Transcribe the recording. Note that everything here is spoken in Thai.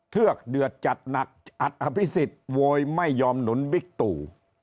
เทือกเดือดจัดหนักอัดอภิษฎโวยไม่ยอมหนุนบิ๊กตู่